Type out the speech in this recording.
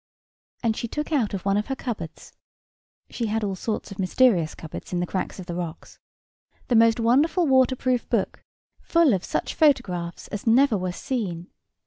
And she took out of one of her cupboards (she had all sorts of mysterious cupboards in the cracks of the rocks) the most wonderful waterproof book, full of such photographs as never were seen.